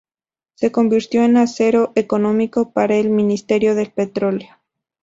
Se convirtió en asesor económico para el ministerio del petróleo.